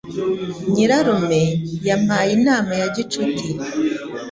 Nyirarume yampaye inama ya gicuti.